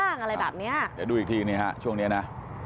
ยังไงบ้างอะไรแบบเนี้ยเดี๋ยวดูอีกทีเนี้ยฮะช่วงเนี้ยน่ะ